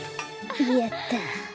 やった。